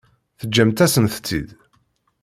Teǧǧamt-asent-tt-id.